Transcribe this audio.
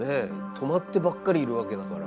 止まってばっかりいるわけだから。